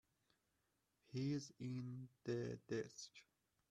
He's in the desk.